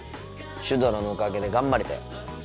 シュドラのおかげで頑張れたよ。